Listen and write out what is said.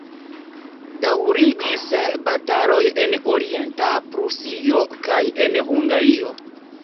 Daŭrigis bataloj en Orienta Prusio kaj en Hungario.